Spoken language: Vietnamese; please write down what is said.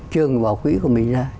trường bỏ quỹ của mình ra